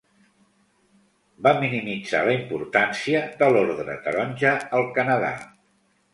Va minimitzar la importància de l'Ordre Taronja al Canadà.